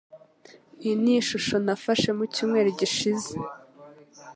Iyi ni ishusho nafashe mu cyumweru gishize.